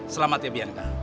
selamat ya bianca